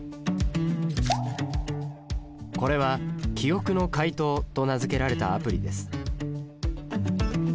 これは「記憶の解凍」と名付けられたアプリです。